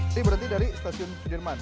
ini berarti dari stasiun sudirman